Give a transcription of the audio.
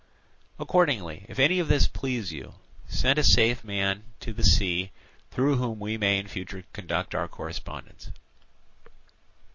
Accordingly if any of this please you, send a safe man to the sea through whom we may in future conduct our correspondence."